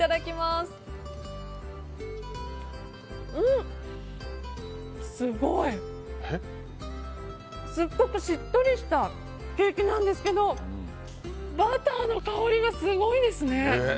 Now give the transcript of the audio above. すっごくしっとりしたケーキなんですけどバターの香りがすごいですね！